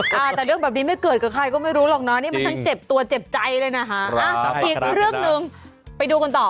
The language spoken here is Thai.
แต่เรื่องแบบนี้ไม่เกิดกับใครก็ไม่รู้หรอกเนอะนี่มันทั้งเจ็บตัวเจ็บใจเลยนะคะอีกเรื่องหนึ่งไปดูกันต่อ